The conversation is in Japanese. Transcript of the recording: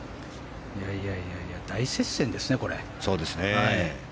いやいや大接戦ですね、これ。